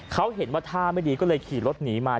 เขาเห็นว่าท่าไม่ดีก็เลยขี่รถหนีมา